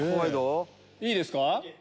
いいですか？